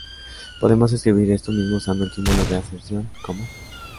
Podemos escribir esto mismo usando el símbolo de aserción como